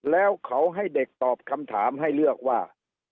แล้วเขาให้เด็กตอบคำถามให้เลือกว่า